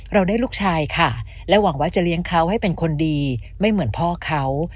เราได้ลูกชายค่ะและหวังว่าจะเลี้ยงเขาให้เป็นคนดีไม่เหมือนพ่อเขา